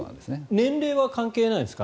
年齢は関係ないんですか？